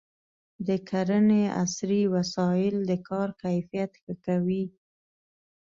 د کرنې عصري وسایل د کار کیفیت ښه کوي.